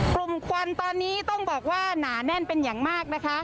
ควันตอนนี้ต้องบอกว่าหนาแน่นเป็นอย่างมากนะคะ